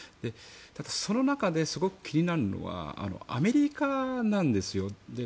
ただ、その中ですごく気になるのはアメリカなんですよ。